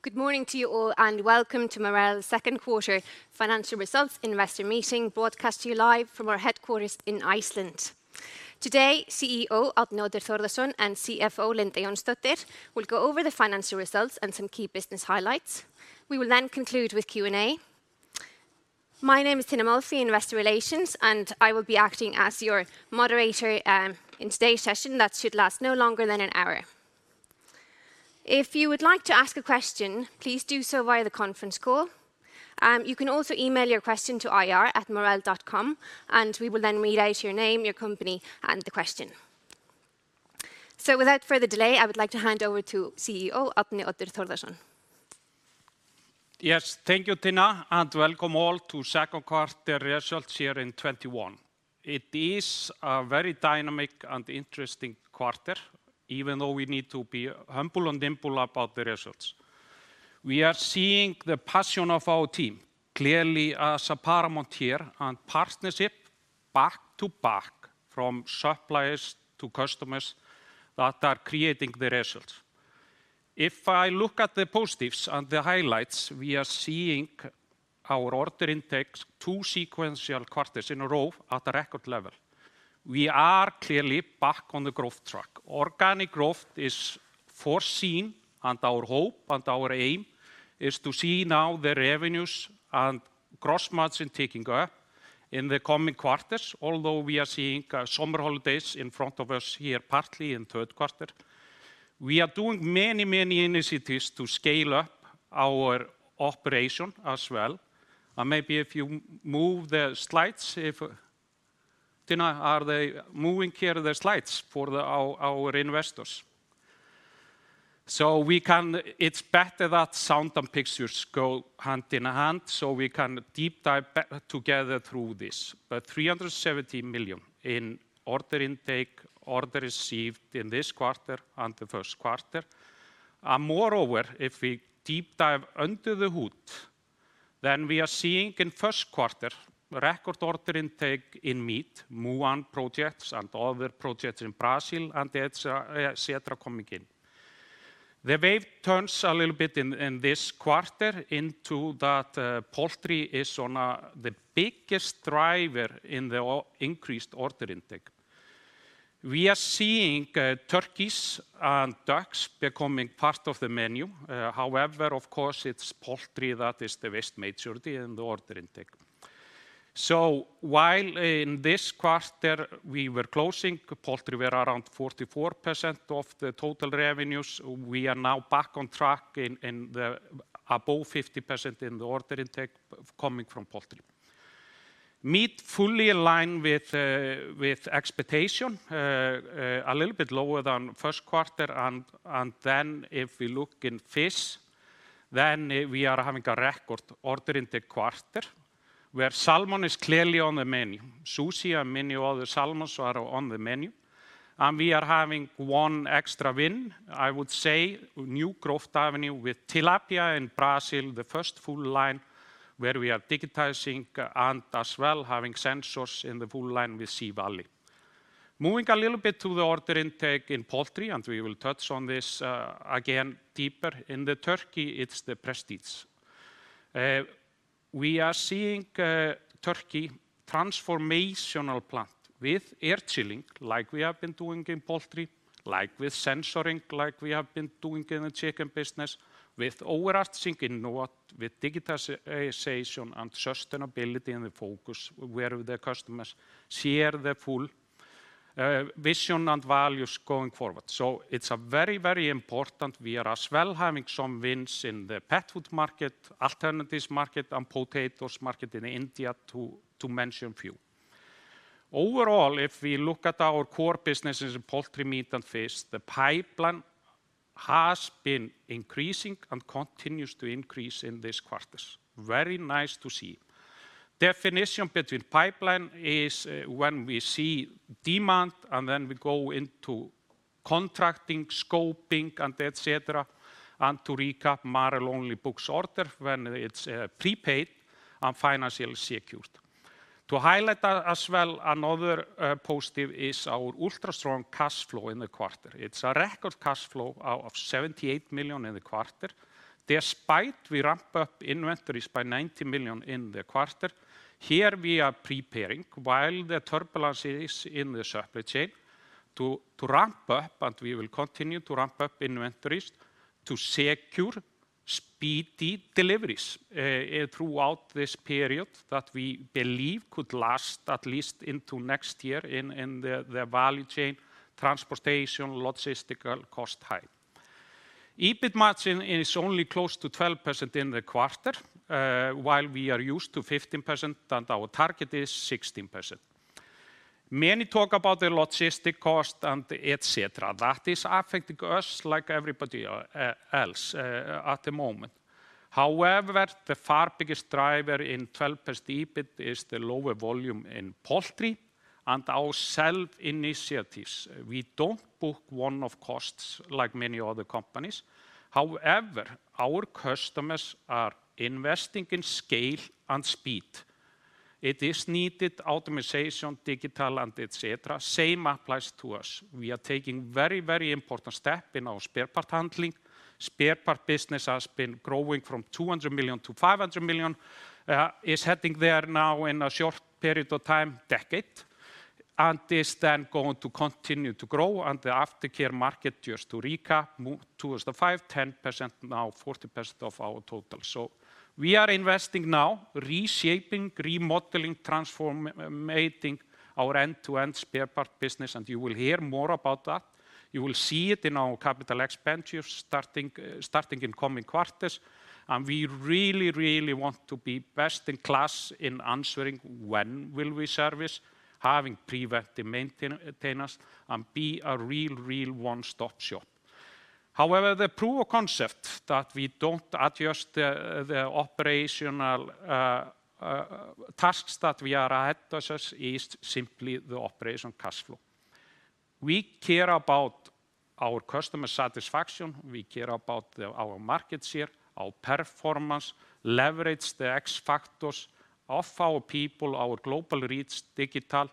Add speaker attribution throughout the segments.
Speaker 1: Good morning to you all, and welcome to Marel's second quarter financial results investor meeting, broadcast to you live from our headquarters in Iceland. Today, CEO Árni Oddur Thordarson and CFO Linda Jónsdóttir will go over the financial results and some key business highlights. We will then conclude with Q&A. My name is Tinna Molphy, Investor Relations, and I will be acting as your moderator in today's session that should last no longer than an hour. If you would like to ask a question, please do so via the conference call. You can also email your question to ir@marel.com and we will then read out your name, your company and the question. Without further delay, I would like to hand over to CEO Árni Oddur Thordarson.
Speaker 2: Yes. Thank you, Tinna, and welcome all to second quarter results here in 2021. It is a very dynamic and interesting quarter. Even though we need to be humble and nimble about the results. We are seeing the passion of our team clearly as paramount here, and partnership back to back from suppliers to customers that are creating the results. I look at the positives and the highlights, we are seeing our order intake two sequential quarters in a row at a record level. We are clearly back on the growth track. Organic growth is foreseen, and our hope and our aim is to see now the revenues and gross margin ticking up in the coming quarters, although we are seeing summer holidays in front of us here partly in third quarter. We are doing many initiatives to scale up our operation as well. Maybe if you move the slides, Tinna. Are they moving here the slides for our investors? It's better that sound and pictures go hand in hand so we can deep dive better together through this. 370 million in order intake, order received in this quarter and the first quarter. If we deep dive under the hood, then we are seeing in first quarter, record order intake in meat, Muyuan projects and other projects in Brazil and et cetera coming in. The wave turns a little bit in this quarter into that poultry is the biggest driver in the increased order intake. We are seeing turkeys and ducks becoming part of the menu. Of course it's poultry that is the vast majority in the order intake. While in this quarter we were closing poultry, we are around 44% of the total revenues. We are now back on track in the above 50% in the order intake coming from poultry. Meat fully in line with expectation, a little bit lower than first quarter, and then if we look in fish, then we are having a record order intake quarter where salmon is clearly on the menu. Sushi and many other salmons are on the menu. We are having one extra win, I would say, new growth avenue with tilapia in Brazil, the first full line where we are digitizing and as well having sensors in the full line with C.Vale. Moving a little bit to the order intake in poultry, and we will touch on this again deeper. In the turkey, it's the Prestage. We are seeing turkey transformational plant with air chilling like we have been doing in poultry, like with SensorX, like we have been doing in the chicken business, with overarching Innova, with digitalization and sustainability and the focus where the customers share the full vision and values going forward. It's very important. We are as well having some wins in the pet food market, alternatives market, and potatoes market in India to mention few. Overall, if we look at our core businesses in poultry, meat, and fish, the pipeline has been increasing and continues to increase in this quarters. Very nice to see. Definition between pipeline is when we see demand and then we go into contracting, scoping, and et cetera. To recap, Marel only books order when it's prepaid and financially secured. To highlight as well another positive is our ultra-strong cash flow in the quarter. It's a record cash flow of 78 million in the quarter, despite we ramp up inventories by 19 million in the quarter. Here we are preparing while the turbulence is in the supply chain to ramp up, and we will continue to ramp up inventories to secure speedy deliveries throughout this period that we believe could last at least into next year in the value chain, transportation, logistical cost high. EBIT margin is only close to 12% in the quarter, while we are used to 15% and our target is 16%. Many talk about the logistic cost and et cetera. That is affecting us like everybody else at the moment. However, the far biggest driver in 12% EBIT is the lower volume in poultry and our self initiatives. We don't book one-off costs like many other companies. However, our customers are investing in scale and speed. It is needed, automation, digital, and etc. Same applies to us. We are taking very important step in our spare part handling. Spare part business has been growing from 200 million to 500 million, is heading there now in a short period of time, decade, and is then going to continue to grow on the aftercare market. Just to recap, moved 2005, 10% now 40% of our total. We are investing now, reshaping, remodeling, transforming our end-to-end spare part business, and you will hear more about that. You will see it in our capital expenditures starting in coming quarters. We really want to be best in class in answering when will we service, having preventive maintenance, and be a real one-stop shop. The proof of concept that we don't adjust the operational tasks that we are ahead does is simply the operation cash flow. We care about our customer satisfaction. We care about our market share, our performance, leverage the X factors of our people, our global reach, digital,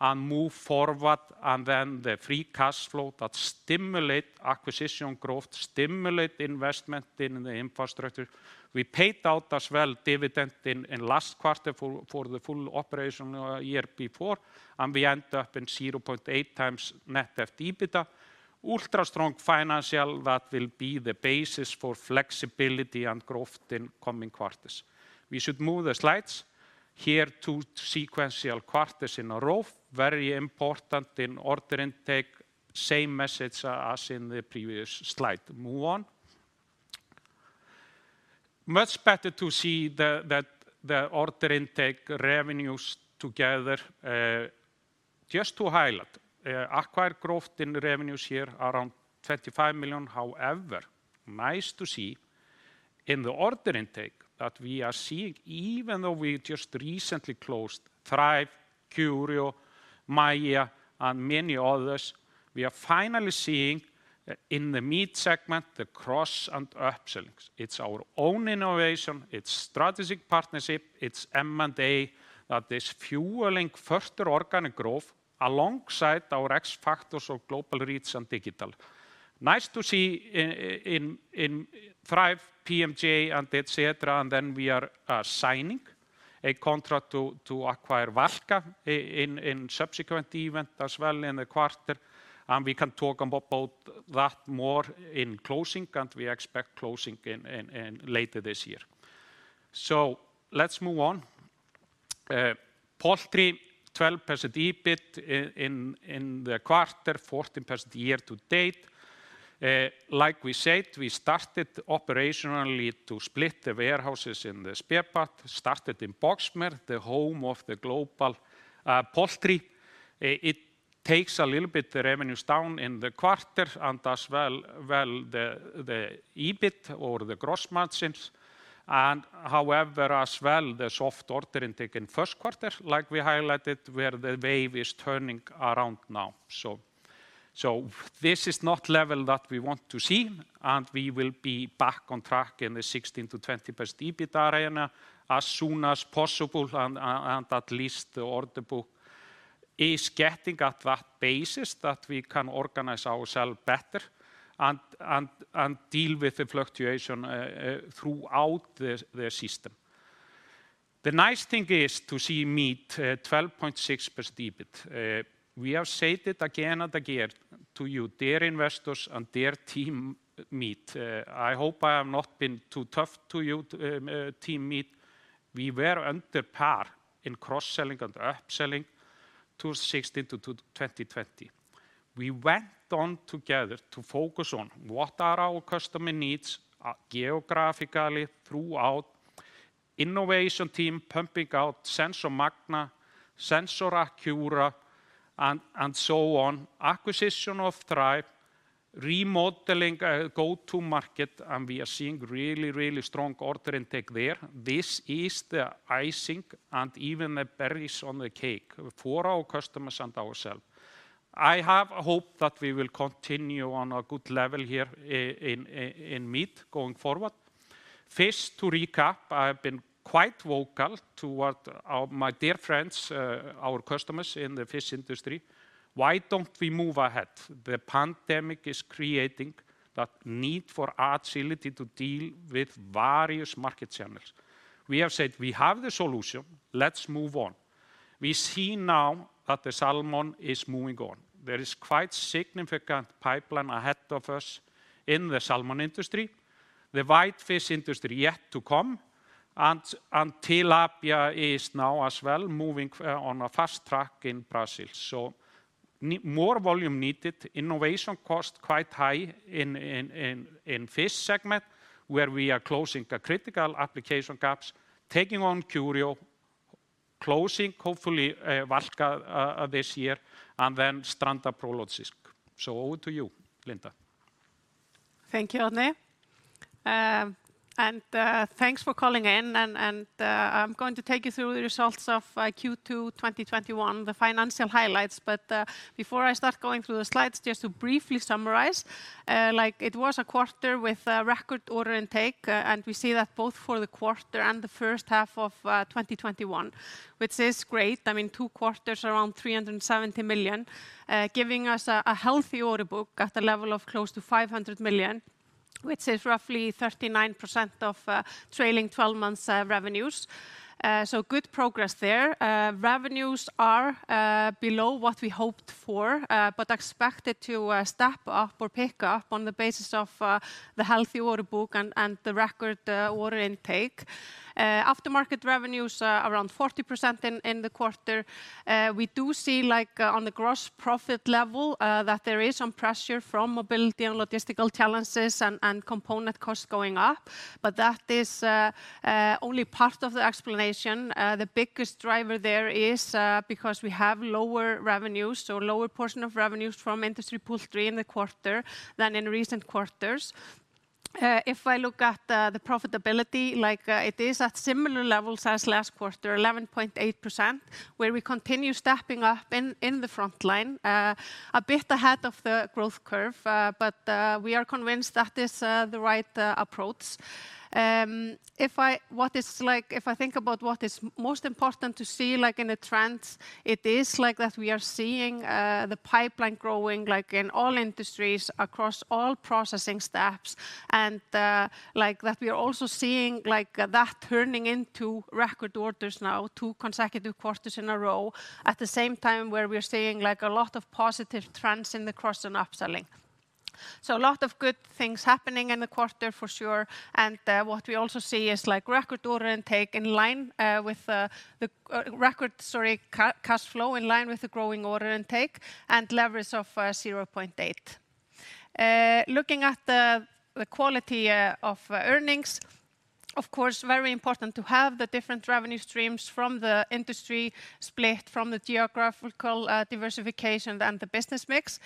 Speaker 2: and move forward. The free cash flow that stimulate acquisition growth, stimulate investment in the infrastructure. We paid out as well dividend in last quarter for the full operation year before, and we end up in 0.8x net debt/EBITDA. Ultra strong financial that will be the basis for flexibility and growth in coming quarters. We should move the slides. Here, two sequential quarters in a row, very important in order intake, same message as in the previous slide. Move on. Much better to see the order intake revenues together. Just to highlight, acquired growth in revenues here around 25 million. Nice to see in the order intake that we are seeing, even though we just recently closed TREIF, Curio, MAJA, and many others, we are finally seeing in the meat segment the cross and up-sellings. It's our own innovation, it's strategic partnership, it's M&A, that is fueling further organic growth alongside our X factors of global reach and digital. Nice to see in TREIF, PMJ, and et cetera, we are signing a contract to acquire Valka in subsequent event as well in the quarter. We can talk about that more in closing, we expect closing in later this year. Let's move on. Poultry, 12% EBIT in the quarter, 14% year-to-date. Like we said, we started operationally to split the warehouses in the spare part, started in Boxmeer, the home of the global poultry. It takes a little bit the revenues down in the quarter and as well, the EBIT or the gross margins. However, as well, the soft order intake in first quarter, like we highlighted, where the wave is turning around now. This is not level that we want to see, and we will be back on track in the 16%-20% EBIT area as soon as possible, and at least the order book is getting at that basis that we can organize ourselves better and deal with the fluctuation throughout the system. The nice thing is to see meat at 12.6% EBIT. We have said it again and again to you, dear investors and dear team meat, I hope I have not been too tough to you, Team Meat. We were under par in cross-selling and up-selling 2016 to 2020. We went on together to focus on what are our customer needs geographically throughout innovation team pumping out SensorX Magna, SensorX Accuro, and so on. Acquisition of TREIF, remodeling go-to market, we are seeing really strong order intake there. This is the icing and even the berries on the cake for our customers and ourselves. I have hope that we will continue on a good level here in meat going forward. First, to recap, I have been quite vocal toward my dear friends, our customers in the fish industry. Why don't we move ahead? The pandemic is creating that need for agility to deal with various market channels. We have said we have the solution. Let's move on. We see now that the salmon is moving on. There is quite significant pipeline ahead of us in the salmon industry. The whitefish industry yet to come, and tilapia is now as well moving on a fast track in Brazil. More volume needed, innovation cost quite high in fish segment, where we are closing critical application gaps, taking on Curio, closing hopefully Valka this year, and then Stranda Prolog. Over to you, Linda
Speaker 3: Thank you, Árni. Thanks for calling in. I'm going to take you through the results of Q2 2021, the financial highlights. Before I start going through the slides, just to briefly summarize, it was a quarter with record order intake, and we see that both for the quarter and the first half of 2021, which is great. Two quarters around 370 million, giving us a healthy order book at a level of close to 500 million, which is roughly 39% of trailing 12 months revenues. Good progress there. Revenues are below what we hoped for, but expected to step up or pick up on the basis of the healthy order book and the record order intake. Aftermarket revenues around 40% in the quarter. We do see on the gross profit level that there is some pressure from mobility and logistical challenges and component costs going up, that is only part of the explanation. The biggest driver there is because we have lower revenues, lower portion of revenues from industry poultry in the quarter than in recent quarters. If I look at the profitability, it is at similar levels as last quarter, 11.8%, where we continue stepping up in the frontline, a bit ahead of the growth curve. We are convinced that is the right approach. If I think about what is most important to see in the trends, it is that we are seeing the pipeline growing in all industries across all processing steps. That we are also seeing that turning into record orders now two consecutive quarters in a row, at the same time where we are seeing a lot of positive trends in the cross and upselling. A lot of good things happening in the quarter for sure. What we also see is record cash flow in line with the growing order intake and leverage of 0.8x. Looking at the quality of earnings, of course very important to have the different revenue streams from the industry split from the geographical diversification and the business mix.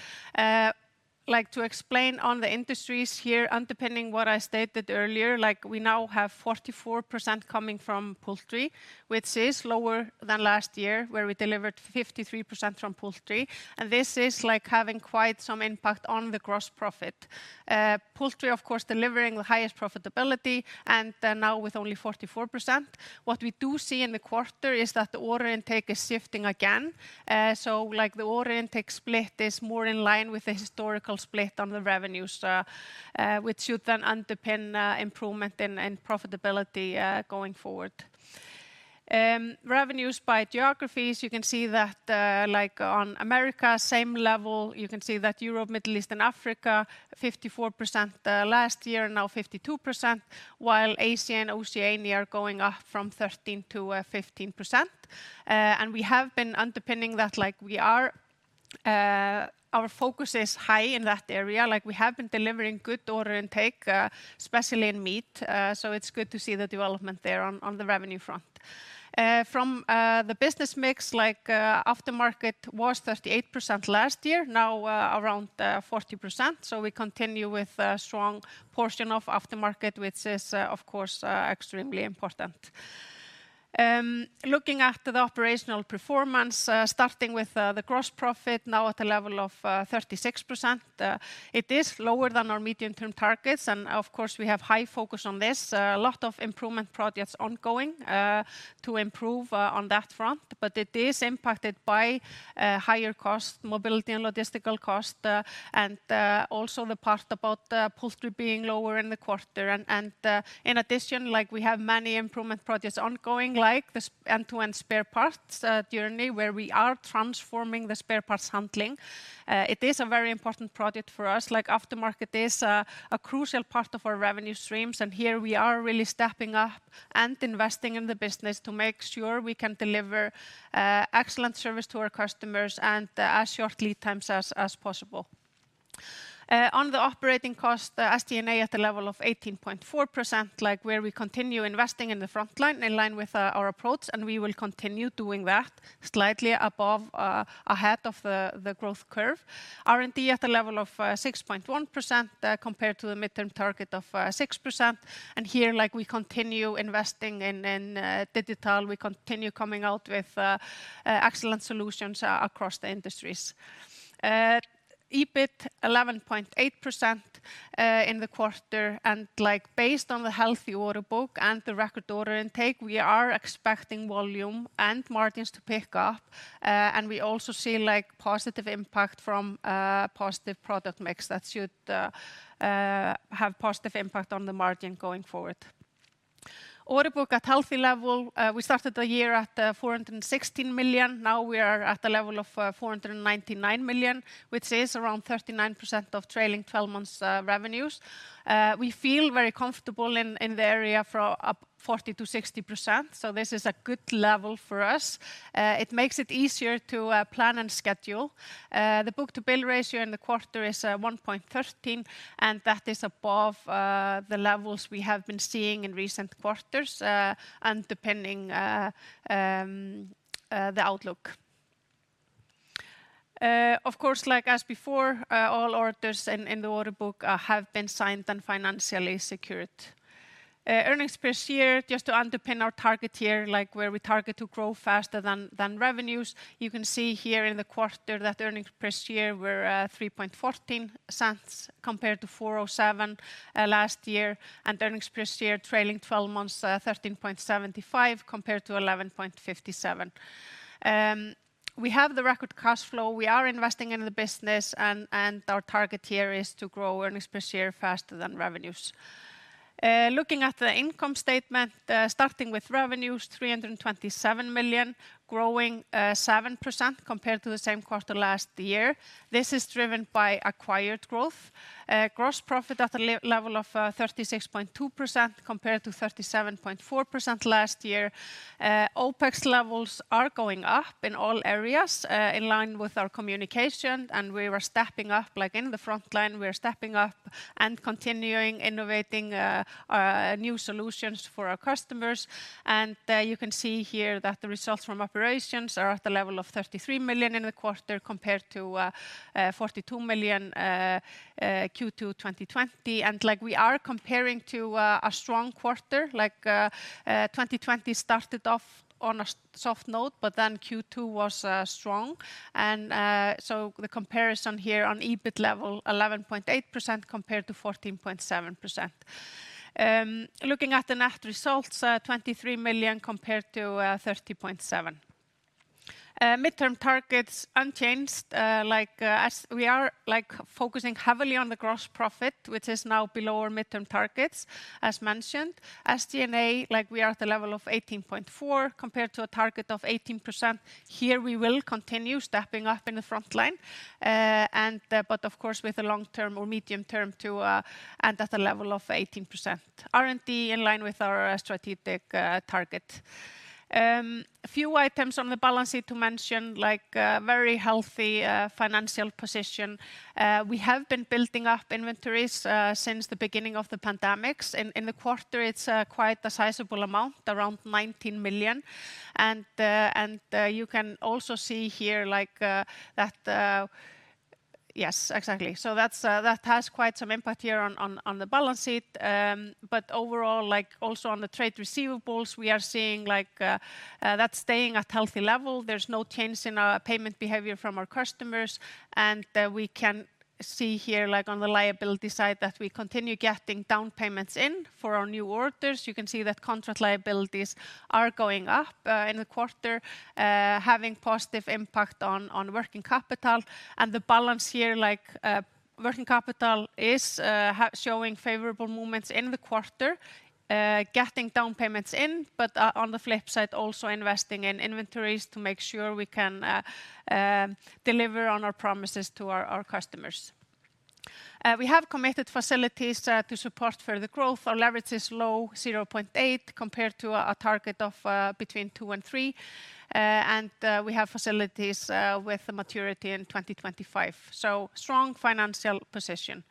Speaker 3: To explain on the industries here, underpinning what I stated earlier, we now have 44% coming from poultry, which is lower than last year where we delivered 53% from poultry. This is having quite some impact on the gross profit. Poultry, of course, delivering the highest profitability and now with only 44%. What we do see in the quarter is that the order intake is shifting again. The order intake split is more in line with the historical split on the revenues, which should then underpin improvement and profitability going forward. Revenues by geographies, you can see that on America, same level. You can see that Europe, Middle East, and Africa, 54% last year, now 52%, while Asia and Oceania are going up from 13%-15%. We have been underpinning that our focus is high in that area. We have been delivering good order intake, especially in meat. It's good to see the development there on the revenue front. From the business mix, aftermarket was 38% last year, now around 40%. We continue with a strong portion of aftermarket, which is, of course, extremely important. Looking at the operational performance, starting with the gross profit, now at a level of 36%. It is lower than our medium-term targets. Of course we have high focus on this. A lot of improvement projects ongoing to improve on that front. It is impacted by higher cost, mobility and logistical cost, and also the part about poultry being lower in the quarter. In addition, we have many improvement projects ongoing, like this end-to-end spare parts journey where we are transforming the spare parts handling. It is a very important project for us. Aftermarket is a crucial part of our revenue streams. Here we are really stepping up and investing in the business to make sure we can deliver excellent service to our customers and as short lead times as possible. On the operating cost, the SG&A at a level of 18.4%, where we continue investing in the frontline in line with our approach, we will continue doing that slightly above ahead of the growth curve. R&D at a level of 6.1% compared to the midterm target of 6%. Here we continue investing in digital. We continue coming out with excellent solutions across the industries. EBIT 11.8% in the quarter. Based on the healthy order book and the record order intake, we are expecting volume and margins to pick up. We also see positive impact from positive product mix that should have positive impact on the margin going forward. Order book at healthy level. We started the year at 416 million. Now we are at the level of 499 million, which is around 39% of trailing 12 months revenues. We feel very comfortable in the area for up 40%-60%. This is a good level for us. It makes it easier to plan and schedule. The book-to-bill ratio in the quarter is 1.13, that is above the levels we have been seeing in recent quarters, underpinning the outlook. Of course, like as before, all orders in the order book have been signed and financially secured. Earnings per share, just to underpin our target here, where we target to grow faster than revenues. You can see here in the quarter that earnings per share were 0.0314 compared to 0.0407 last year, and earnings per share trailing 12 months, 0.1375 compared to 0.1157. We have the record cash flow. We are investing in the business and our target here is to grow earnings per share faster than revenues. Looking at the income statement, starting with revenues, 327 million, growing 7% compared to the same quarter last year. This is driven by acquired growth. Gross profit at a level of 36.2% compared to 37.4% last year. OpEx levels are going up in all areas, in line with our communication, we were stepping up in the frontline. We are stepping up and continuing innovating new solutions for our customers. You can see here that the results from operations are at the level of 33 million in the quarter compared to 42 million Q2 2020. We are comparing to a strong quarter, like 2020 started off on a soft note, Q2 was strong. The comparison here on EBIT level, 11.8% compared to 14.7%. Looking at the net results, 23 million compared to 30.7 million. Midterm targets unchanged. We are focusing heavily on the gross profit, which is now below our midterm targets, as mentioned. SG&A, we are at the level of 18.4% compared to a target of 18%. We will continue stepping up in the frontline. Of course, with the long term or medium term to end at the level of 18%. R&D in line with our strategic target. A few items on the balance sheet to mention, like very healthy financial position. We have been building up inventories since the beginning of the pandemic. In the quarter, it's quite a sizable amount, around 19 million. You can also see here that that has quite some impact here on the balance sheet. Overall, also on the trade receivables, we are seeing that staying at healthy level. There's no change in our payment behavior from our customers, and we can see here on the liability side that we continue getting down payments in for our new orders. You can see that contract liabilities are going up in the quarter, having positive impact on working capital. The balance here, working capital is showing favorable movements in the quarter, getting down payments in, but on the flip side, also investing in inventories to make sure we can deliver on our promises to our customers. We have committed facilities to support further growth. Our leverage is low, 0.8x, compared to a target of between 2x and 3x. We have facilities with maturity in 2025. Strong financial position.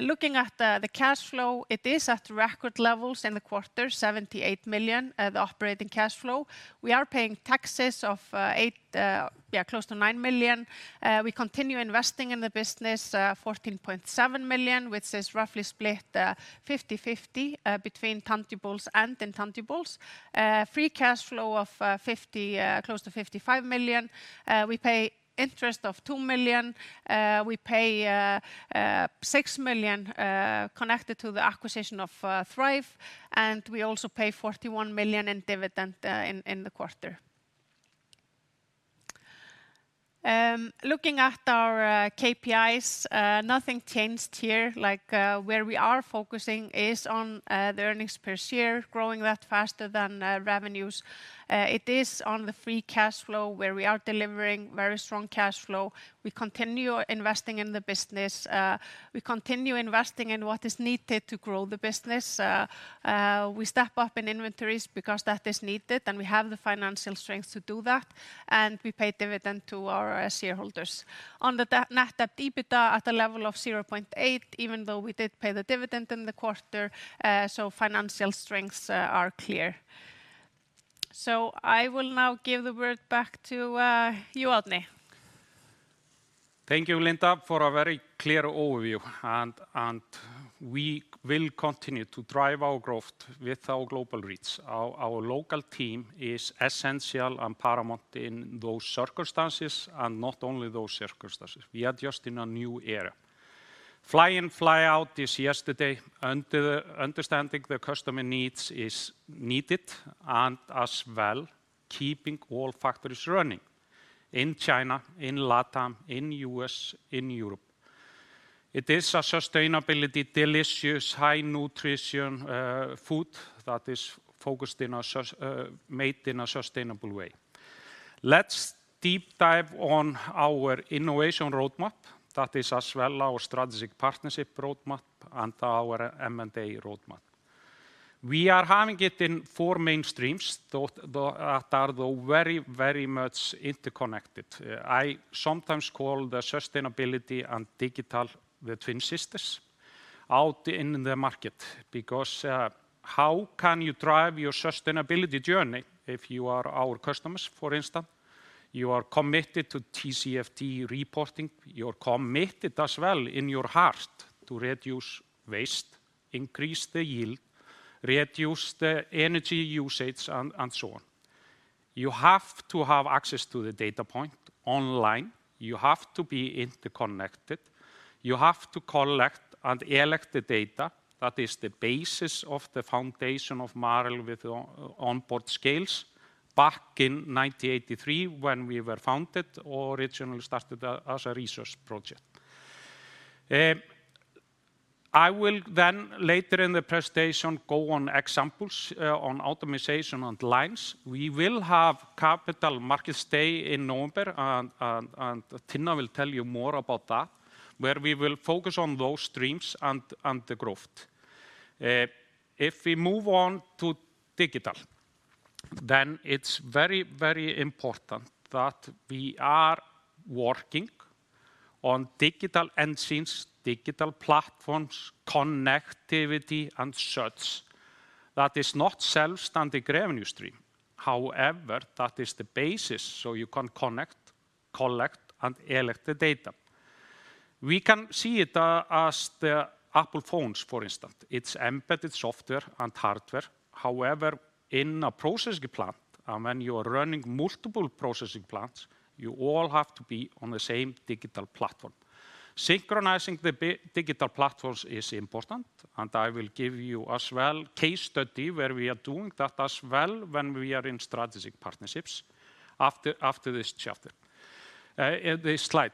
Speaker 3: Looking at the cash flow, it is at record levels in the quarter, 78 million, the operating cash flow. We are paying taxes of 8 million, close to 9 million. We continue investing in the business, 14.7 million, which is roughly split 50/50 between tangibles and intangibles. Free cash flow of close to 55 million. We pay interest of 2 million. We pay 6 million connected to the acquisition of TREIF, and we also pay 41 million in dividend in the quarter. Looking at our KPIs, nothing changed here. Where we are focusing is on the earnings per share, growing that faster than revenues. It is on the free cash flow where we are delivering very strong cash flow. We continue investing in the business. We continue investing in what is needed to grow the business. We step up in inventories because that is needed, and we have the financial strength to do that, and we pay dividend to our shareholders. On the net debt to EBITDA at a level of 0.8x, even though we did pay the dividend in the quarter, financial strengths are clear. I will now give the word back to you, Árni.
Speaker 2: Thank you, Linda, for a very clear overview. We will continue to drive our growth with our global reach. Our local team is essential and paramount in those circumstances, and not only those circumstances. We are just in a new era. Fly in, fly out is yesterday. Understanding the customer needs is needed, and as well, keeping all factories running in China, in LATAM, in US, in Europe. It is a sustainability, delicious, high nutrition food that is made in a sustainable way. Let's deep dive on our innovation roadmap. That is as well our strategic partnership roadmap and our M&A roadmap. We are having it in four mainstreams that are very much interconnected. I sometimes call the sustainability and digital the twin sisters out in the market. How can you drive your sustainability journey if you are our customers, for instance? You are committed to TCFD reporting. You are committed as well in your heart to reduce waste, increase the yield, reduce the energy usage, and so on. You have to have access to the data point online. You have to be interconnected. You have to collect and elect the data that is the basis of the foundation of Marel with onboard scales back in 1983 when we were founded or originally started as a research project. I will later in the presentation go on examples on optimization and lines. We will have Capital Markets Day in November, and Tinna will tell you more about that, where we will focus on those streams and the growth. If we move on to digital, then it's very, very important that we are working on digital engines, digital platforms, connectivity, and such. That is not self-standing revenue stream. That is the basis so you can connect, collect, and elect the data. We can see it as the Apple phones, for instance. It's embedded software and hardware. In a processing plant, when you are running multiple processing plants, you all have to be on the same digital platform. Synchronizing the digital platforms is important, and I will give you as well case study where we are doing that as well when we are in strategic partnerships after this chapter, this slide.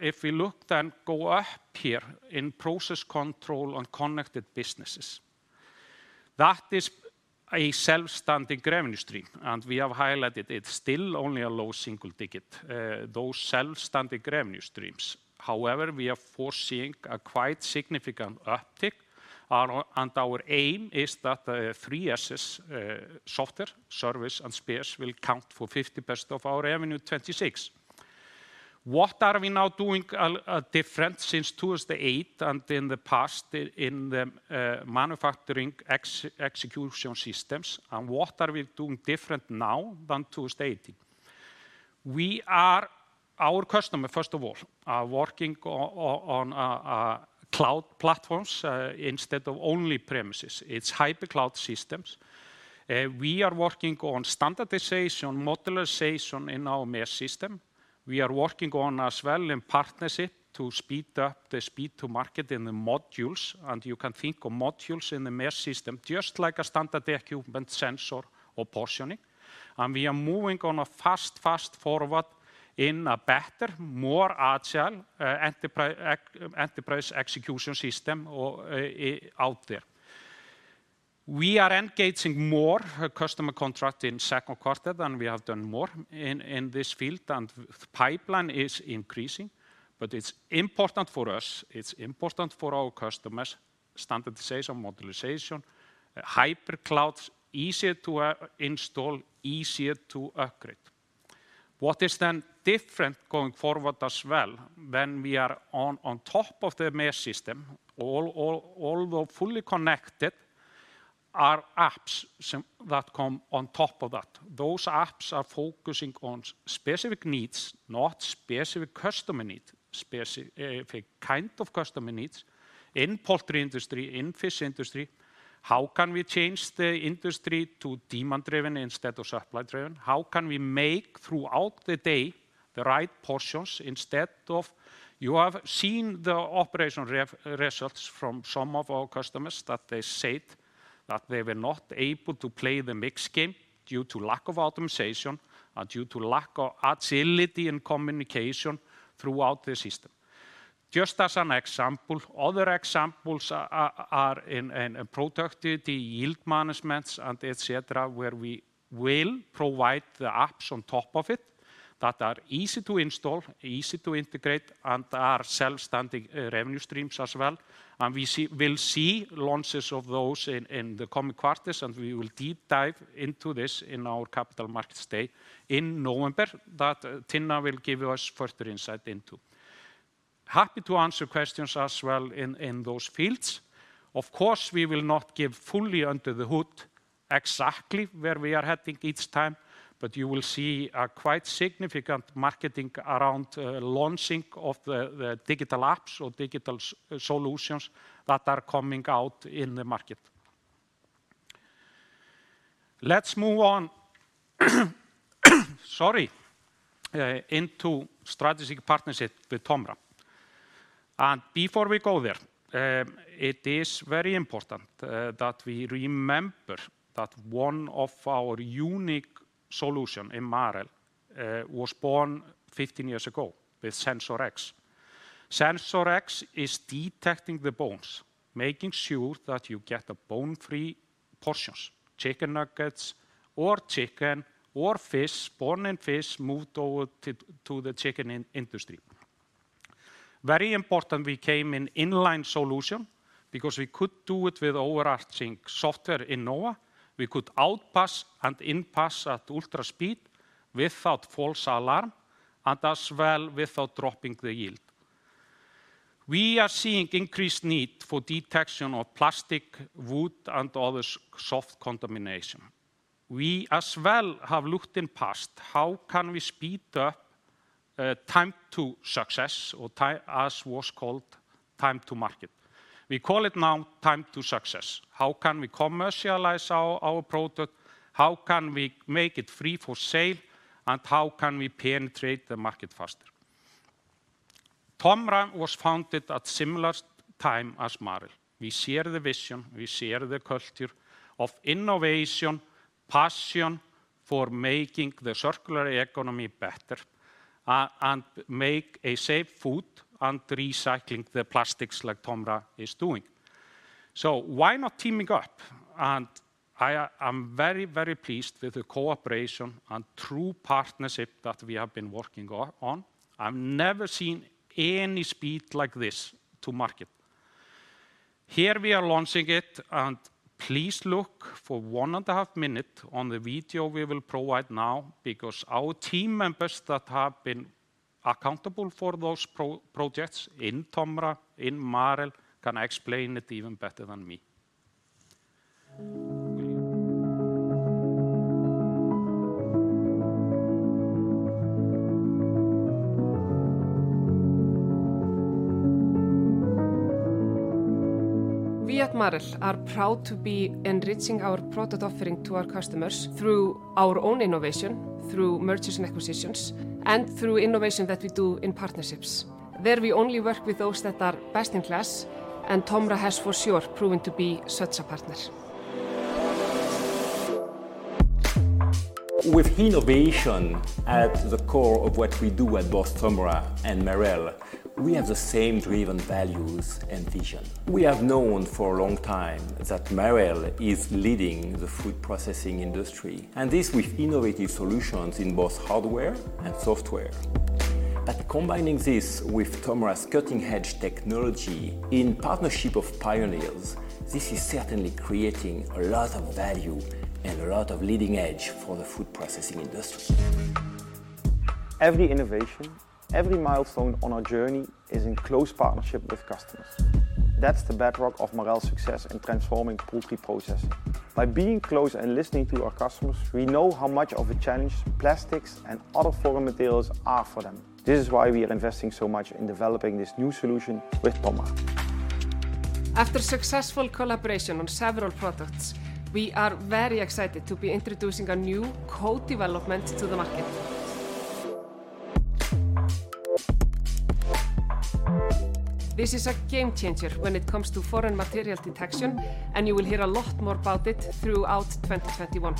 Speaker 2: If we look then go up here in process control on connected businesses, that is a self-standing revenue stream, and we have highlighted it. Still only a low-single-digit, those self-standing revenue streams. We are foreseeing a quite significant uptick and our aim is that three S's, software, service, and spares, will count for 50% of our revenue 2026. What are we now doing different since 2008 and in the past in the manufacturing execution systems, and what are we doing different now than 2018? Our customer, first of all, are working on cloud platforms instead of on-premises. It's hypercloud systems. We are working on standardization, modularization in our MES system. We are working on as well in partnership to speed up the speed to market in the modules. You can think of modules in the MES system just like a standard equipment SensorX or portioning. We are moving on a fast forward in a better, more agile enterprise execution system out there. We are engaging more customer contract in second quarter than we have done more in this field. Pipeline is increasing. It's important for us, it's important for our customers, standardization, modularization, hyperclouds, easier to install, easier to upgrade. What is different going forward as well, when we are on top of the MES system, although fully connected, are apps that come on top of that. Those apps are focusing on specific needs, not specific customer need, specific kind of customer needs. In poultry industry, in fish industry, how can we change the industry to demand-driven instead of supply-driven? How can we make throughout the day the right portions. You have seen the operation results from some of our customers that they said that they were not able to play the mix game due to lack of optimization and due to lack of agility and communication throughout the system. Just as an example. Other examples are in productivity, yield managements, and et cetera, where we will provide the apps on top of it that are easy to install, easy to integrate, and are self-standing revenue streams as well. We'll see launches of those in the coming quarters, and we will deep dive into this in our Capital Markets Day in November, that Tinna will give us further insight into. Happy to answer questions as well in those fields. Of course, we will not give fully under the hood exactly where we are heading each time. You will see a quite significant marketing around launching of the digital apps or digital solutions that are coming out in the market. Let's move on, sorry, into strategic partnership with TOMRA. Before we go there, it is very important that we remember that one of our unique solution in Marel was born 15 years ago with SensorX. SensorX is detecting the bones, making sure that you get the bone-free portions, chicken nuggets or chicken or fish. Bone and fish moved over to the chicken industry. Very important we came in inline solution because we could do it with overarching software Innova. We could outpass and in-pass at ultra speed without false alarm and as well without dropping the yield. We are seeing increased need for detection of plastic, wood, and other soft contamination. We as well have looked in past how can we speed up time to success or as was called time to market. We call it now time to success. How can we commercialize our product? How can we make it free for sale? How can we penetrate the market faster? TOMRA was founded at similar time as Marel. We share the vision, we share the culture of innovation, passion for making the circular economy better, and make a safe food and recycling the plastics like TOMRA is doing. Why not teaming up? I am very, very pleased with the cooperation and true partnership that we have been working on. I've never seen any speed like this to market. Here we are launching it, and please look for one and a half minute on the video we will provide now because our team members that have been accountable for those projects in TOMRA, in Marel, can explain it even better than me.
Speaker 4: We at Marel are proud to be enriching our product offering to our customers through our own innovation, through mergers and acquisitions, and through innovation that we do in partnerships. There we only work with those that are best in class, and TOMRA has for sure proven to be such a partner. With innovation at the core of what we do at both TOMRA and Marel, we have the same driven values and vision. We have known for a long time that Marel is leading the food processing industry, and this with innovative solutions in both hardware and software. Combining this with TOMRA's cutting-edge technology in partnership of pioneers, this is certainly creating a lot of value and a lot of leading edge for the food processing industry. Every innovation, every milestone on our journey is in close partnership with customers. That's the bedrock of Marel's success in transforming poultry processing. By being close and listening to our customers, we know how much of a challenge plastics and other foreign materials are for them. This is why we are investing so much in developing this new solution with TOMRA. After successful collaboration on several products, we are very excited to be introducing a new co-development to the market. This is a game changer when it comes to foreign material detection, and you will hear a lot more about it throughout 2021.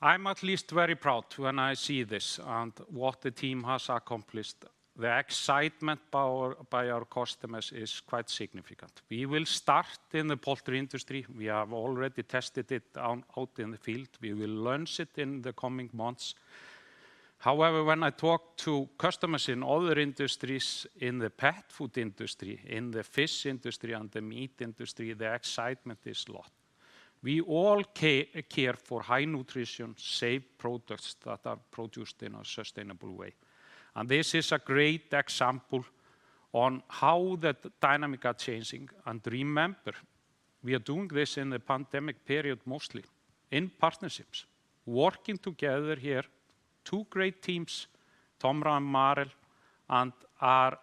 Speaker 2: I'm at least very proud when I see this and what the team has accomplished. The excitement by our customers is quite significant. We will start in the poultry industry. We have already tested it out in the field. We will launch it in the coming months. However, when I talk to customers in other industries, in the pet food industry, in the fish industry, and the meat industry, the excitement is a lot. We all care for high nutrition, safe products that are produced in a sustainable way. This is a great example on how that dynamic are changing. Remember, we are doing this in the pandemic period, mostly in partnerships, working together here, two great teams, TOMRA and Marel, and are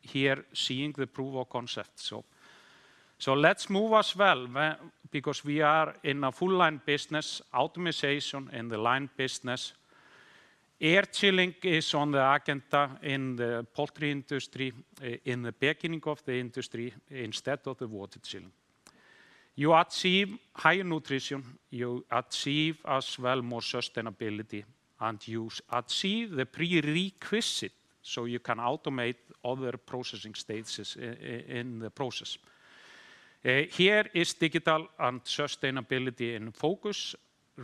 Speaker 2: here seeing the proof of concept. Let's move as well, because we are in a full line business, optimization in the line business. Air chilling is on the agenda in the poultry industry, in the beginning of the industry, instead of the water chilling. You achieve high nutrition, you achieve as well more sustainability, and you achieve the prerequisite so you can automate other processing stages in the process. Here is digital and sustainability in focus.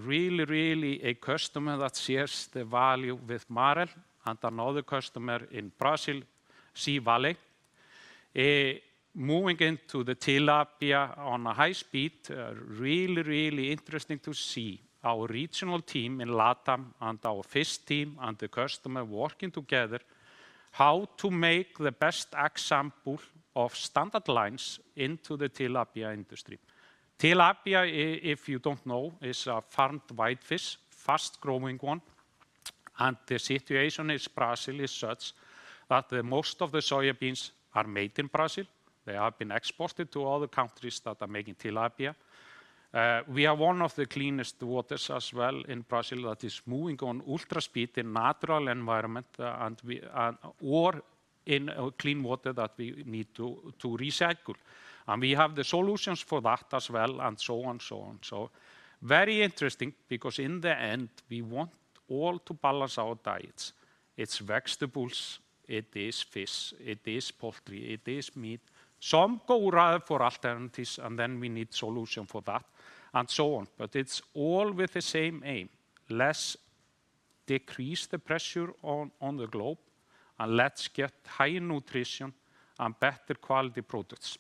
Speaker 2: Really a customer that shares the value with Marel and another customer in Brazil, C.Vale, moving into the tilapia on a high speed. Really interesting to see our regional team in LATAM and our fish team and the customer working together how to make the best example of standard lines into the tilapia industry. Tilapia, if you don't know, is a farmed white fish, fast-growing one. The situation in Brazil is such that most of the soybeans are made in Brazil. They have been exported to other countries that are making tilapia. We have one of the cleanest waters as well in Brazil that is moving on ultra speed in natural environment, or in clean water that we need to recycle. We have the solutions for that as well, and so on. Very interesting, because in the end, we want all to balance our diets. It's vegetables, it is fish, it is poultry, it is meat. Some go rather for alternatives, and then we need solutions for that, and so on. It's all with the same aim, Decrease the pressure on the globe, and let's get high nutrition and better quality products.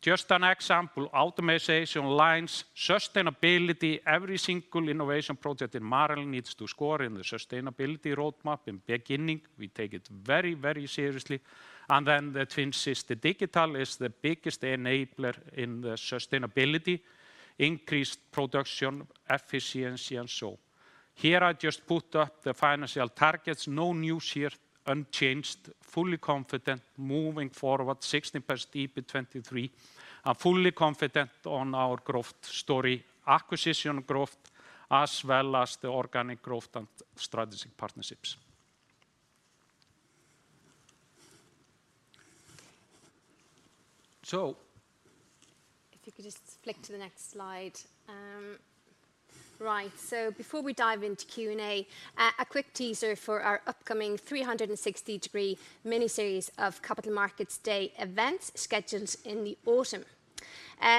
Speaker 2: Just an example, automation lines, sustainability, every single innovation project in Marel needs to score in the sustainability roadmap in beginning. We take it very, very seriously. The twin system, digital is the biggest enabler in the sustainability, increased production, efficiency, and so on. Here I just put up the financial targets, no news here, unchanged, fully confident moving forward, 16% EBIT 2023. Fully confident on our growth story, acquisition growth, as well as the organic growth and strategic partnerships.
Speaker 1: If you could just flick to the next slide. Before we dive into Q&A, a quick teaser for our upcoming 360-degree mini-series of Capital Markets Day events scheduled in the autumn.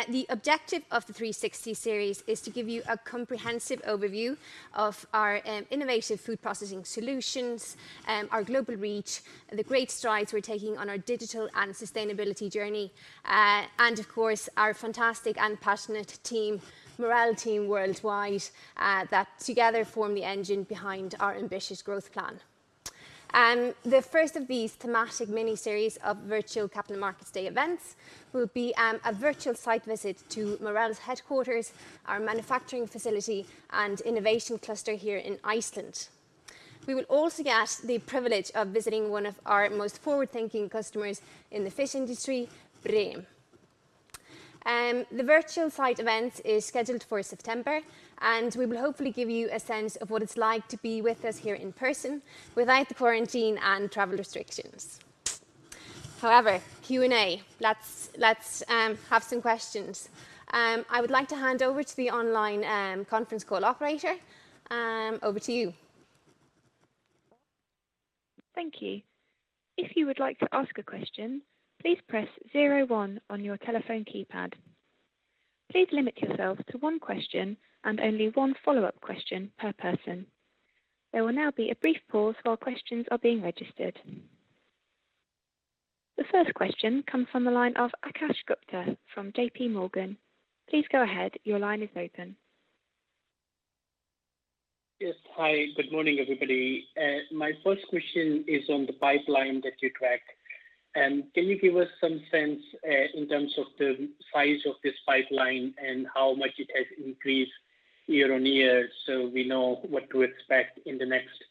Speaker 1: The objective of the 360-series is to give you a comprehensive overview of our innovative food processing solutions, our global reach, the great strides we're taking on our digital and sustainability journey, and of course, our fantastic and passionate team, Marel team worldwide, that together form the engine behind our ambitious growth plan. The first of these thematic mini-series of virtual Capital Markets Day events will be a virtual site visit to Marel's headquarters, our manufacturing facility, and innovation cluster here in Iceland. We will also get the privilege of visiting one of our most forward-thinking customers in the fish industry, Brim. The virtual site event is scheduled for September, and we will hopefully give you a sense of what it's like to be with us here in person without the quarantine and travel restrictions. Q&A, let's have some questions. I would like to hand over to the online conference call operator. Over to you.
Speaker 5: Thank you. The first question comes from the line of Akash Gupta from JPMorgan. Please go ahead. Your line is open.
Speaker 6: Yes. Hi, good morning, everybody. My first question is on the pipeline that you track. Can you give us some sense in terms of the size of this pipeline and how much it has increased year-on-year so we know what to expect in the next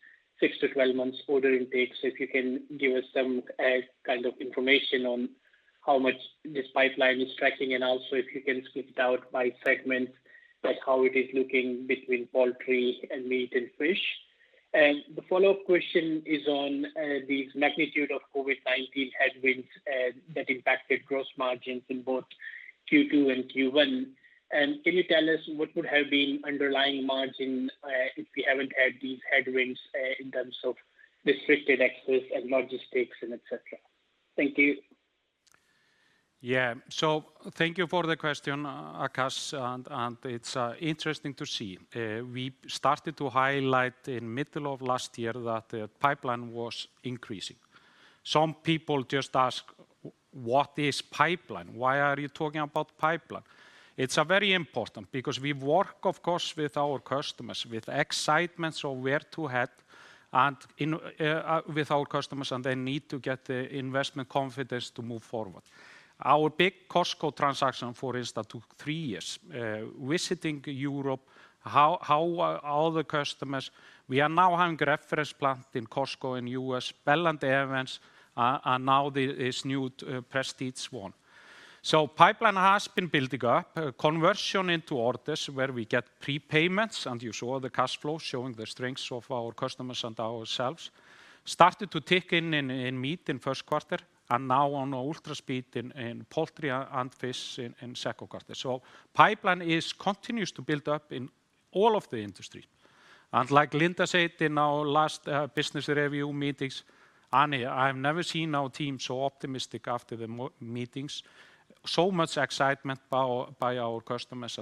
Speaker 6: 6-12 months order intakes? If you can give us some kind of information on how much this pipeline is tracking, and also if you can split it out by segment, like how it is looking between poultry, meat, and fish. The follow-up question is on the magnitude of COVID-19 headwinds that impacted gross margins in both Q2 and Q1. Can you tell us what would have been underlying margin, if we haven't had these headwinds in terms of restricted access and logistics, et cetera? Thank you.
Speaker 2: Thank you for the question, Akash, and it's interesting to see. We started to highlight in middle of last year that the pipeline was increasing. Some people just ask, "What is pipeline? Why are you talking about pipeline?" It's very important because we work, of course, with our customers with excitement of where to head and with our customers, and they need to get the investment confidence to move forward. Our big Costco transaction, for instance, took three years, visiting Europe, all the customers. We are now having reference plant in Costco in U.S., Bell & Evans, and now this new Prestage one. Pipeline has been building up. Conversion into orders where we get prepayments, you saw the cash flow showing the strengths of our customers and ourselves, started to tick in in meat in first quarter, and now on ultra-speed in poultry and fish in second quarter. Pipeline continues to build up in all of the industry. Like Linda said in our last business review meetings, Árni, I've never seen our team so optimistic after the meetings, so much excitement by our customers.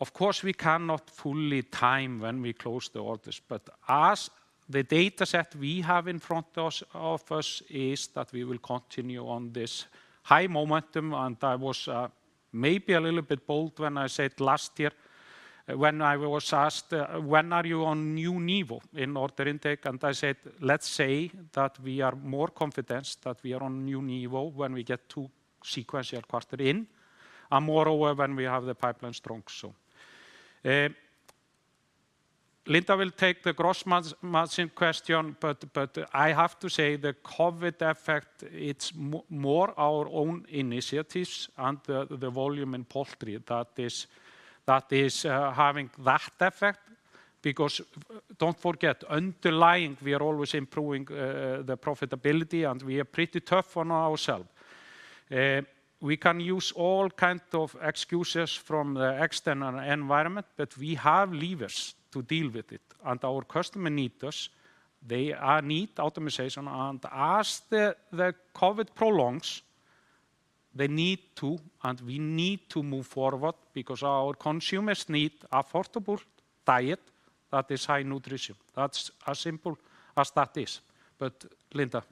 Speaker 2: Of course, we cannot fully time when we close the orders, but the data set we have in front of us is that we will continue on this high momentum, and I was maybe a little bit bold when I said last year when I was asked, "When are you on new level in order intake?" I said, "Let's say that we are more confident that we are on new level when we get two sequential quarter in, and moreover, when we have the pipeline strong." Linda will take the gross margin question, but I have to say the COVID effect, it's more our own initiatives and the volume in poultry that is having that effect because don't forget, underlying, we are always improving the profitability, and we are pretty tough on ourself. We can use all kind of excuses from the external environment, but we have levers to deal with it, and our customer need us. They need optimization, and as the COVID prolongs, we need to move forward because our consumers need affordable diet that is high nutrition. That's as simple as that is. Linda?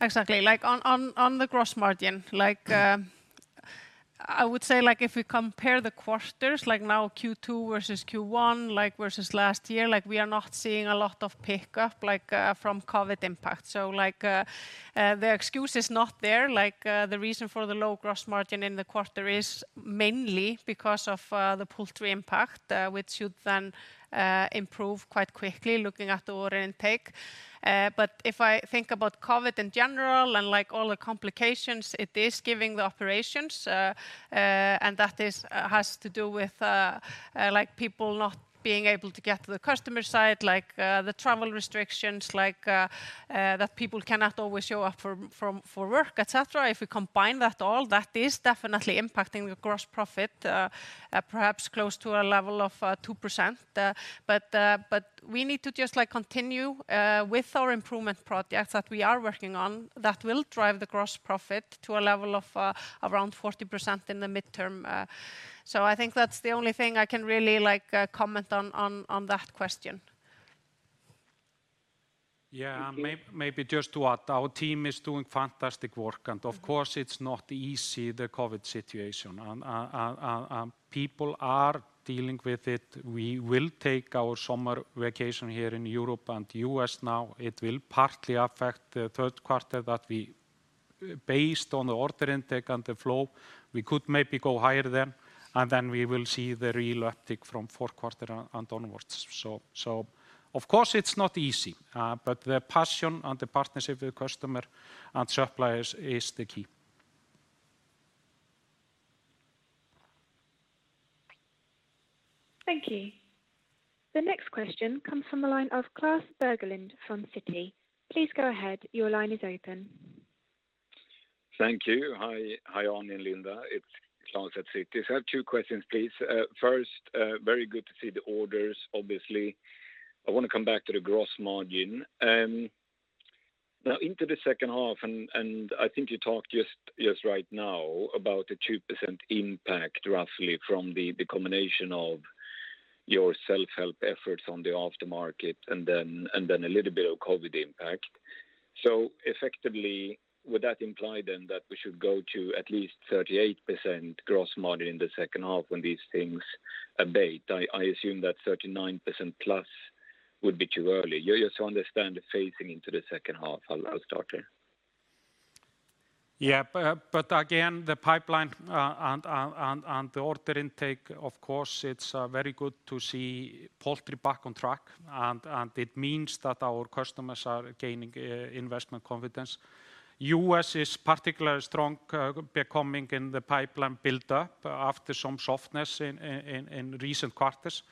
Speaker 3: Exactly. On the gross margin, I would say if we compare the quarters, like now Q2 versus Q1, versus last year, we are not seeing a lot of pickup from COVID impact. The excuse is not there. The reason for the low gross margin in the quarter is mainly because of the poultry impact, which should then improve quite quickly looking at the order intake. If I think about COVID in general and all the complications it is giving the operations, and that has to do with people not being able to get to the customer site, the travel restrictions, that people cannot always show up for work, et cetera. If we combine that all, that is definitely impacting the gross profit, perhaps close to a level of 2%. We need to just continue with our improvement projects that we are working on that will drive the gross profit to a level of around 40% in the midterm. I think that's the only thing I can really comment on that question.
Speaker 2: Yeah, maybe just to add, our team is doing fantastic work, and of course, it's not easy, the COVID situation. People are dealing with it. We will take our summer vacation here in Europe and U.S. now. It will partly affect the third quarter that we, based on the order intake and the flow, we could maybe go higher then, and then we will see the real uptick from fourth quarter and onwards. Of course, it's not easy. The passion and the partnership with customer and suppliers is the key.
Speaker 5: Thank you. The next question comes from the line of Klas Bergelind from Citi. Please go ahead. Your line is open.
Speaker 7: Thank you. Hi, Árni and Linda. It's Klas at Citi. I have two questions, please. First, very good to see the orders, obviously. I want to come back to the gross margin. Now into the second half, and I think you talked just right now about the 2% impact, roughly, from the combination of your self-help efforts on the aftermarket and then a little bit of COVID impact. Effectively, would that imply then that we should go to at least 38% gross margin in the second half when these things abate? I assume that 39%+ would be too early. Just to understand the phasing into the second half, I'll start there.
Speaker 2: Again, the pipeline and the order intake, of course, it's very good to see poultry back on track. It means that our customers are gaining investment confidence. U.S. is particularly strong becoming in the pipeline buildup after some softness in recent quarters.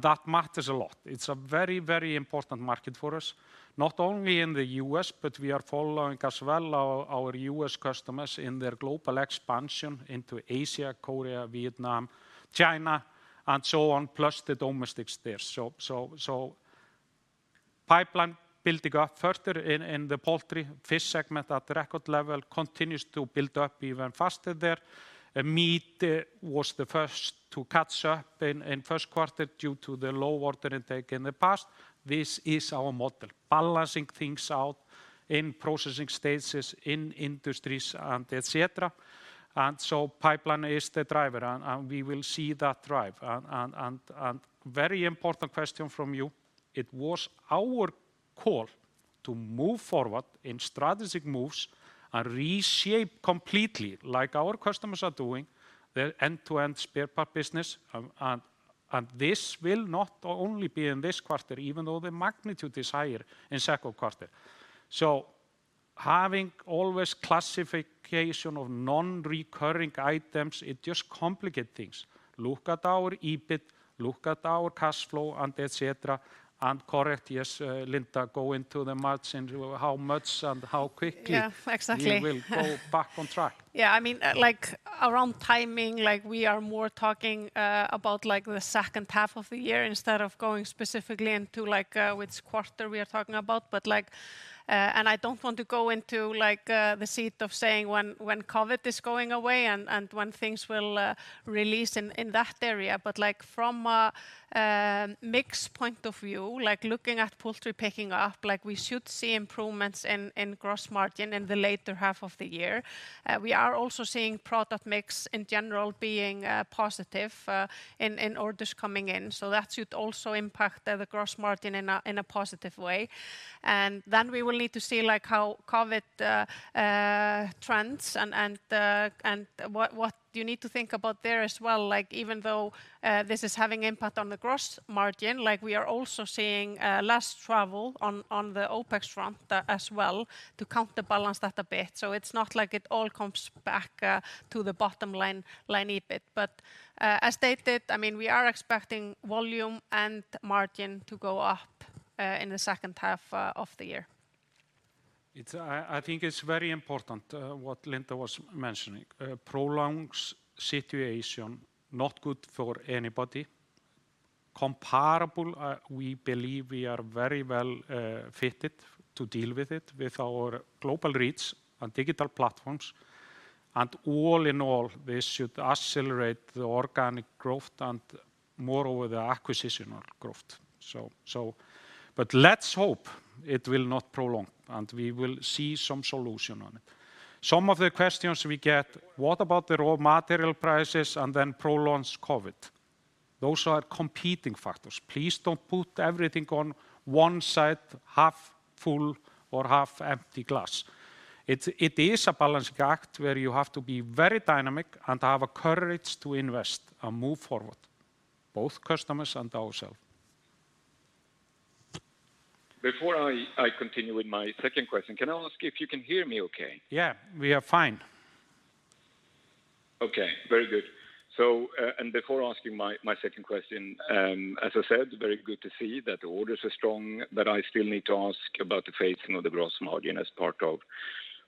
Speaker 2: That matters a lot. It's a very, very important market for us, not only in the U.S. We are following as well our U.S. customers in their global expansion into Asia, Korea, Vietnam, China, and so on, plus the domestics there. Pipeline building up further in the poultry. Fish segment at record level continues to build up even faster there. Meat was the first to catch up in first quarter due to the low order intake in the past. This is our model, balancing things out in processing stages in industries and et cetera. Pipeline is the driver, and we will see that drive. Very important question from you, it was our call to move forward in strategic moves and reshape completely, like our customers are doing, their end-to-end spare part business. This will not only be in this quarter, even though the magnitude is higher in second quarter. Having always classification of non-recurring items, it just complicate things. Look at our EBIT, look at our cash flow and et cetera. Correct, yes, Linda, go into the margin, how much and how quickly.
Speaker 3: Yeah, exactly.
Speaker 2: We will go back on track.
Speaker 3: Yeah, around timing, we are more talking about the second half of the year instead of going specifically into which quarter we are talking about. I don't want to go into the seat of saying when COVID is going away and when things will release in that area. From a mix point of view, looking at poultry picking up, we should see improvements in gross margin in the later half of the year. We are also seeing product mix in general being positive in orders coming in. That should also impact the gross margin in a positive way. We will need to see how COVID trends and what you need to think about there as well, even though this is having impact on the gross margin, we are also seeing less travel on the OpEx front as well to counterbalance that a bit. It's not like it all comes back to the bottom line EBIT. As stated, we are expecting volume and margin to go up in the second half of the year.
Speaker 2: I think it's very important what Linda was mentioning. Prolonged situation, not good for anybody. Comparable, we believe we are very well fitted to deal with it, with our global reach and digital platforms. All in all, this should accelerate the organic growth and moreover, the acquisitional growth. Let's hope it will not prolong, and we will see some solution on it. Some of the questions we get, what about the raw material prices and then prolonged COVID? Those are competing factors. Please don't put everything on one side, half full or half empty glass. It is a balancing act where you have to be very dynamic and have a courage to invest and move forward, both customers and ourselves.
Speaker 7: Before I continue with my second question, can I ask if you can hear me okay?
Speaker 2: Yeah, we are fine.
Speaker 7: Okay. Very good. Before asking my second question, as I said, very good to see that the orders are strong, but I still need to ask about the phasing of the gross margin as part of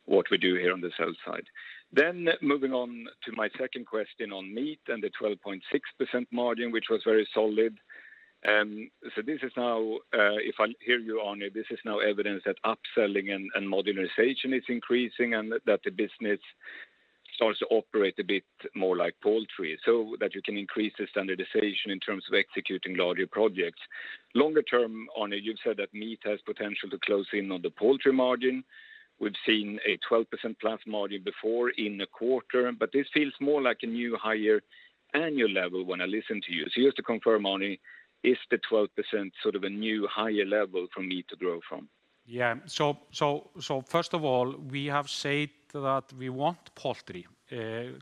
Speaker 7: what we do here on the sell side. Moving on to my second question on meat and the 12.6% margin, which was very solid. If I hear you, Árni, this is now evidence that upselling and modernization is increasing and that the business starts to operate a bit more like poultry, so that you can increase the standardization in terms of executing larger projects. Longer term, Árni, you've said that meat has potential to close in on the poultry margin. We've seen a 12%+ margin before in a quarter, This feels more like a new higher annual level when I listen to you. You have to confirm, Árni, is the 12% sort of a new higher level for meat to grow from?
Speaker 2: Yeah. First of all, we have said that we want poultry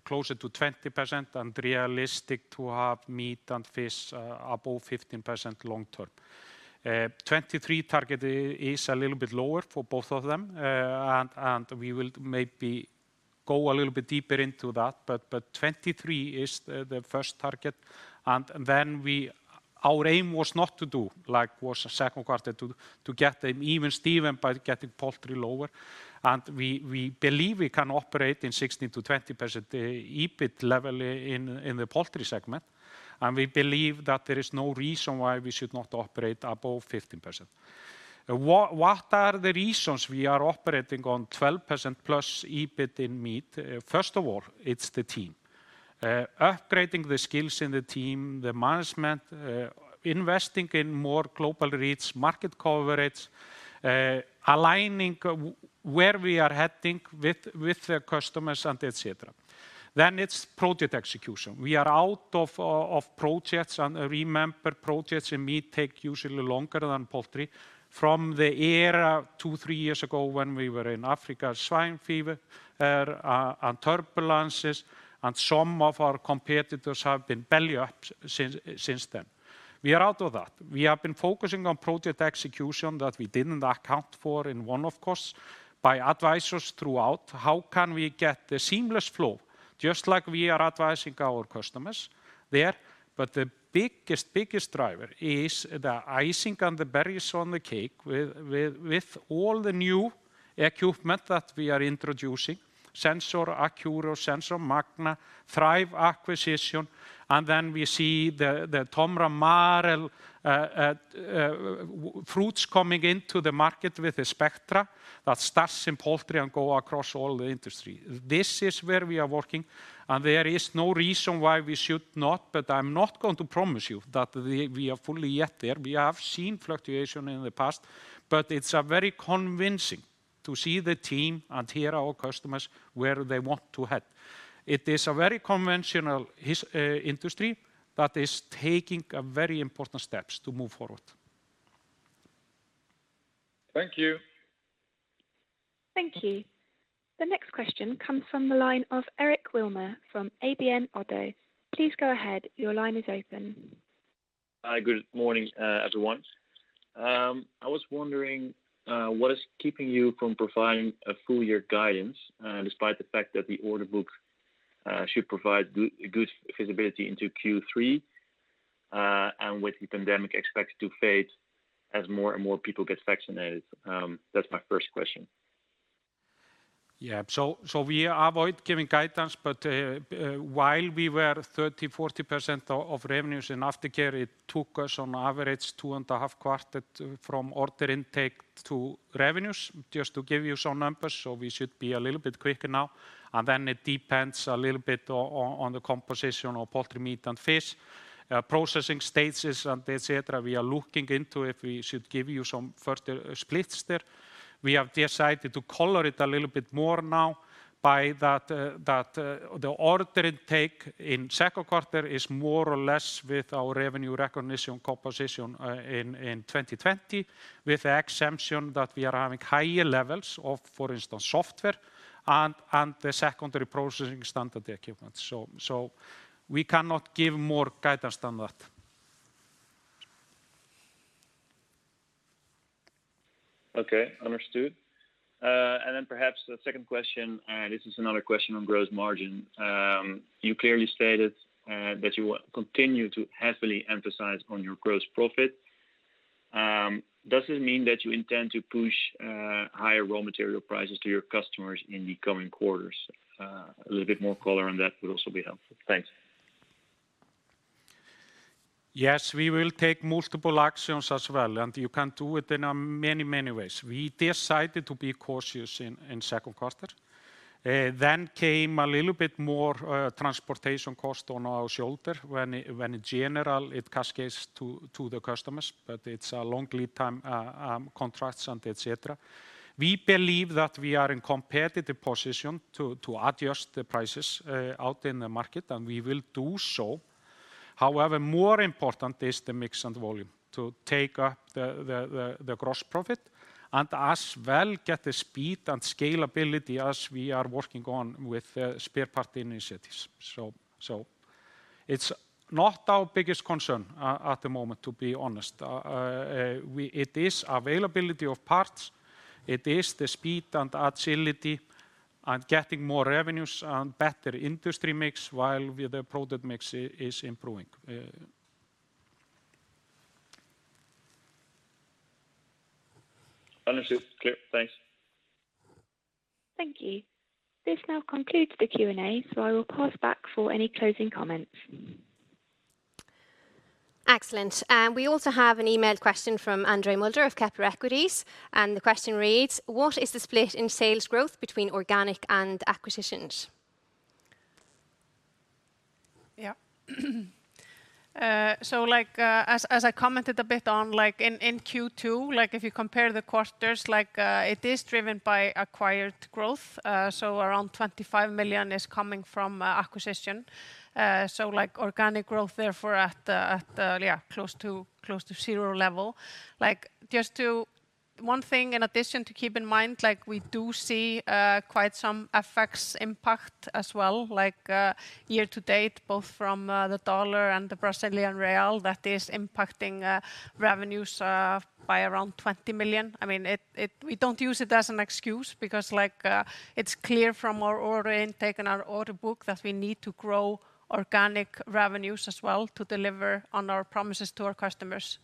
Speaker 2: closer to 20% and realistic to have meat and fish above 15% long term. 2023 target is a little bit lower for both of them, and we will maybe go a little bit deeper into that, but 2023 is the first target. Our aim was not to do like was the second quarter, to get them even Steven by getting poultry lower. We believe we can operate in 16%-20% EBIT level in the poultry segment, and we believe that there is no reason why we should not operate above 15%. What are the reasons we are operating on 12%+ EBIT in meat? First of all, it's the team. Upgrading the skills in the team, the management, investing in more global reach, market coverage, aligning where we are heading with the customers, and et cetera. It's project execution. We are out of projects. Remember, projects in meat take usually longer than poultry. From the era two, three years ago when we were in African swine fever, and turbulences, and some of our competitors have been belly up since then. We are out of that. We have been focusing on project execution that we didn't account for in one-off costs by advisors throughout how we can get the seamless flow, just like we are advising our customers there. The biggest driver is the icing on the berries on the cake with all the new equipment that we are introducing, SensorX Accuro, SensorX Magna, TREIF acquisition, and then we see the TOMRA-Marel fruits coming into the market with the Spectra that starts in poultry and go across all the industry. This is where we are working, and there is no reason why we should not, but I'm not going to promise you that we are fully yet there. We have seen fluctuation in the past, but it's very convincing to see the team and hear our customers where they want to head. It is a very conventional industry that is taking very important steps to move forward.
Speaker 7: Thank you.
Speaker 5: Thank you. The next question comes from the line of Eric Wilmer from ABN AMRO. Please go ahead.
Speaker 8: Hi, good morning, everyone. I was wondering what is keeping you from providing a full year guidance, despite the fact that the order book should provide good visibility into Q3, and with the pandemic expected to fade as more and more people get vaccinated? That is my first question.
Speaker 2: We avoid giving guidance, but while we were 30%-40% of revenues in aftercare, it took us on average two and a half quarter from order intake to revenues, just to give you some numbers. We should be a little bit quicker now. It depends a little bit on the composition of poultry, meat, and fish. Processing stages and et cetera, we are looking into if we should give you some further splits there. We have decided to color it a little bit more now, by that the order intake in second quarter is more or less with our revenue recognition composition in 2020, with the exception that we are having higher levels of, for instance, software and the secondary processing standard equipment. We cannot give more guidance than that.
Speaker 8: Okay. Understood. Perhaps the second question, this is another question on gross margin. You clearly stated that you will continue to heavily emphasize on your gross profit. Does this mean that you intend to push higher raw material prices to your customers in the coming quarters? A little bit more color on that would also be helpful. Thanks.
Speaker 2: We will take multiple actions as well, and you can do it in many ways. We decided to be cautious in Q2. Came a little bit more transportation cost on our shoulder, when in general it cascades to the customers, but it's a long lead time, contracts and etc. We believe that we are in competitive position to adjust the prices out in the market, and we will do so. More important is the mix and volume to take up the gross profit and as well get the speed and scalability as we are working on with spare part initiatives. It's not our biggest concern at the moment, to be honest. It is availability of parts, it is the speed and agility and getting more revenues and better industry mix while the product mix is improving.
Speaker 8: Understood. Clear. Thanks.
Speaker 5: Thank you. This now concludes the Q&A, so I will pass back for any closing comments.
Speaker 1: Excellent. We also have an emailed question from Andre Mulder of Kepler Cheuvreux, and the question reads: What is the split in sales growth between organic and acquisitions?
Speaker 3: As I commented a bit on, in Q2, if you compare the quarters, it is driven by acquired growth. Around 25 million is coming from acquisition. Organic growth therefore at close to zero level. One thing in addition to keep in mind, we do see quite some FX impact as well, year to date, both from the dollar and the Brazilian real that is impacting revenues by around 20 million. We don't use it as an excuse because it's clear from our order intake and our order book that we need to grow organic revenues as well to deliver on our promises to our customers.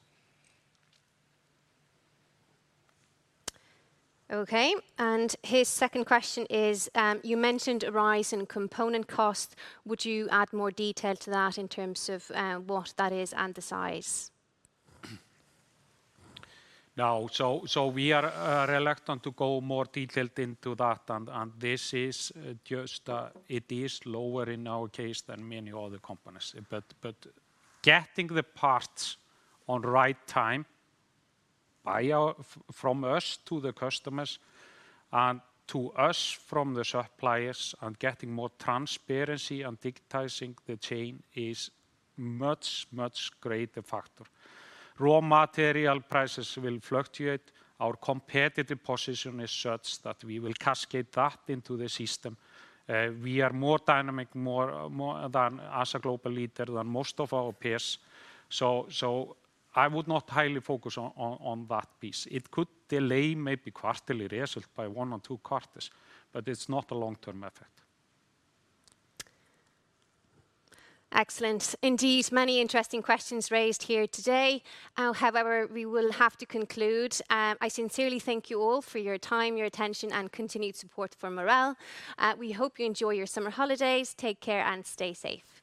Speaker 1: Okay. His second question is, you mentioned a rise in component cost. Would you add more detail to that in terms of what that is and the size?
Speaker 2: No. We are reluctant to go more detailed into that, this is just, it is lower in our case than many other companies. Getting the parts on right time from us to the customers and to us from the suppliers and getting more transparency and digitizing the chain is much, much greater factor. Raw material prices will fluctuate. Our competitive position is such that we will cascade that into the system. We are more dynamic as a global leader than most of our peers. I would not highly focus on that piece. It could delay maybe quarterly result by one or two quarters, but it's not a long-term effect.
Speaker 1: Excellent. Indeed, many interesting questions raised here today. However, we will have to conclude. I sincerely thank you all for your time, your attention, and continued support for Marel. We hope you enjoy your summer holidays. Take care and stay safe.